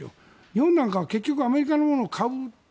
日本なんかは結局アメリカのものを買う。